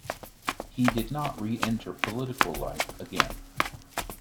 He did not re-enter political life again.